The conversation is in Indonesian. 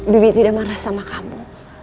bibi tidak marah sama kamu